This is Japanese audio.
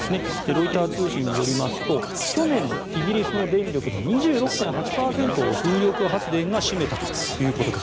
ロイター通信によりますと去年のイギリスの電力の２６．８％を風力発電が占めたということです。